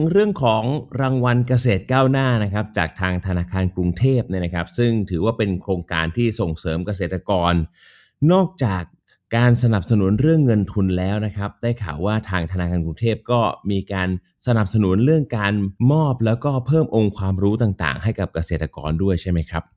เรื่องเงินทุนแล้วนะครับได้ข่าวว่าทางธนาคารกรุงเทพก็มีการสนับสนุนเรื่องการมอบแล้วก็เพิ่มองค์ความรู้ต่างให้กับเกษตรกรด้วยใช่ไหมครับ